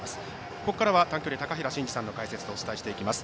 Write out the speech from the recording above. ここからは短距離、高平慎士さんの解説でお送りしていきます。